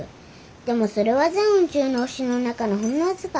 でもそれは全宇宙の星の中のほんの僅か。